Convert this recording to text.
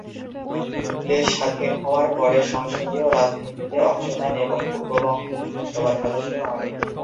দেশ স্বাধীন হওয়ার পরে সংসদীয় রাজনীতিতে অংশ নেন ও পূর্ববঙ্গ বিধানসভার সদস্য হন।